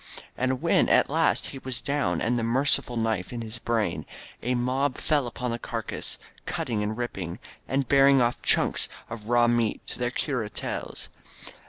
And when at last he was down and the merciful knife in his brain, a mob fell upon the carcase, cutting and ripping, and bearing off chunks of raw meat to their cuartels.